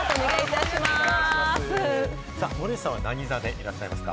森口さんは何座でいらっしゃいますか？